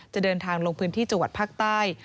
จะเดินทางลงพื้นที่จังหวัดภาคใต้